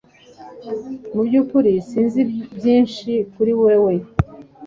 Mu byukuri sinzi byinshi kuri wewe